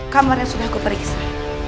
kamarnya sudah kuperiksa